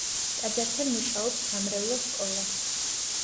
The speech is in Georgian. ტაძართან მუშაობს სამრევლო სკოლა.